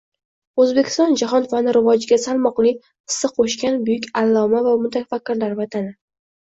“Oʻzbekiston jahon fani rivojiga salmoqli hissa qoʻshgan buyuk alloma va mutafakkirlar vatani”